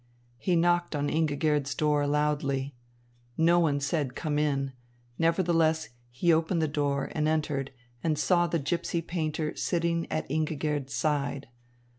He knocked on Ingigerd's door loudly. No one said "Come in." Nevertheless he opened the door and entered and saw the gypsy painter sitting at Ingigerd's side.